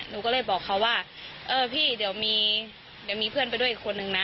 หนูก็เลยบอกเขาว่าเออพี่เดี๋ยวมีเพื่อนไปด้วยอีกคนนึงนะ